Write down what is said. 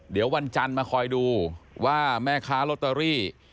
เดี๋ยววันจันทร์มาคอยดูว่าแม่ค้าลอตเตอรี่